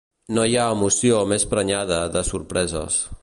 No hi ha emoció més prenyada de sorpreses